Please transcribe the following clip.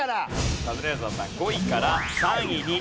カズレーザーさん５位から３位に上がります。